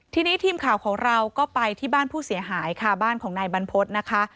ทีนี้ทีมข่าวของเราก็ไปที่บ้านผู้เสียหายค่ะบ้านของนายบรรพฤษนะคะ